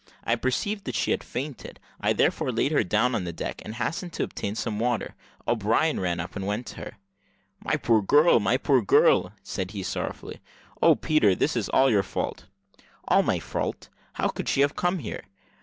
I perceived that she had fainted; I therefore laid her down on the deck, and hastened to obtain some water. O'Brien ran up, and went to her. "My poor, poor girl!" said he sorrowfully. "Oh! Peter, this is all your fault." "All my fault! How could she have come here?"